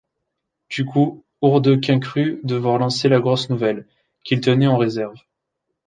Du coup, Hourdequin crut devoir lancer la grosse nouvelle, qu’il tenait en réserve.